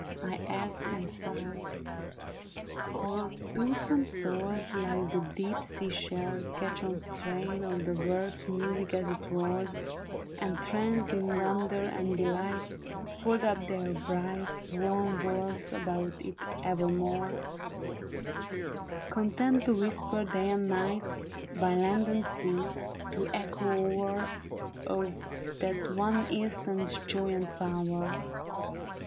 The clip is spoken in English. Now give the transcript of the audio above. " I asked and sighed ;" or do some souls. Like the deep sea shell, catch one strain Of the world's music as it rolls, And tranced in wonder and delight, Fold up their bright Warm walls about it evermore ; Content to whisper day and night. By land and sea, the echo o'er Of that one instant's joy and power."